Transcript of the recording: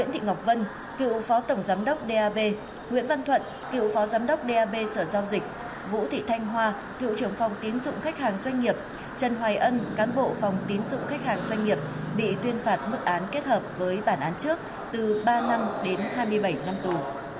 các bị cáo bị truy tố xét xử về tội vi phạm quy định về cho vay trong hoạt động của các tổ chức tiến dụng khách hàng doanh nghiệp bị tuyên phạt mức án kết hợp với bản án trước từ ba năm đến hai mươi bảy năm tù